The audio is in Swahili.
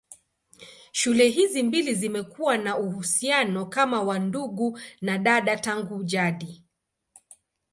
Shule hizi mbili zimekuwa na uhusiano kama wa ndugu na dada tangu jadi.